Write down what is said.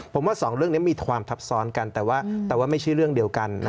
ผมว่าสองเรื่องนี้มีความทับซ้อนกันแต่ว่าไม่ใช่เรื่องเดียวกัน